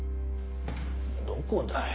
どこだよ？